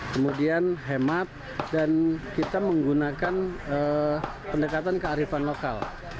kemudian hemat dan kita menggunakan pendekatan kearifan lokal